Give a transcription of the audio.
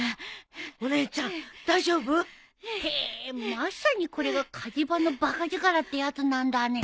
まさにこれが火事場のばか力ってやつなんだね。